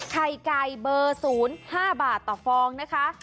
ไข่ไก่เบอร์๐๕บาทต่อฟองนะคะ